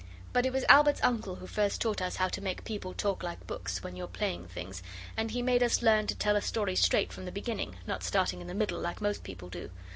But it was Albert's uncle who first taught us how to make people talk like books when you're playing things, and he made us learn to tell a story straight from the beginning, not starting in the middle like most people do.